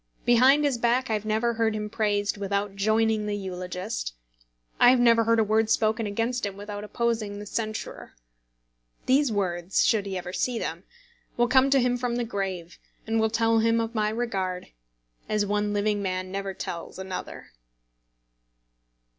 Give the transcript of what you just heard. Behind his back I have never heard him praised without joining the eulogist; I have never heard a word spoken against him without opposing the censurer. These words, should he ever see them, will come to him from the grave, and will tell him of my regard, as one living man never tells another.